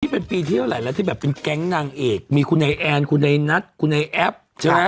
เป็นปีที่เท่าไหร่แล้วที่แบบเป็นแก๊งนางเอกมีคุณไอแอนคุณไอนัทคุณไอแอปใช่ไหม